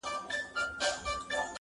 حافظه يې له ذهن نه نه وځي،